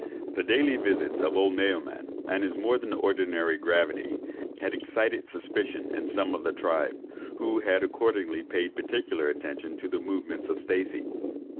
"The daily visits of old Naoman, and his more than ordinary gravity, had excited suspicion in some of the tribe, who had accordingly paid particular attention to the movements of Stacey.